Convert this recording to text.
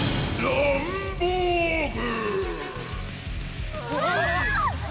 ・ランボーグ！